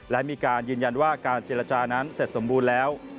และมีการยืนยันว่าการเจรจานั้นเสร็จสมบูรณ์แล้ว